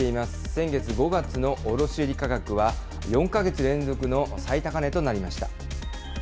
先月・５月の卸売り価格は、４か月連続の最高値となりました。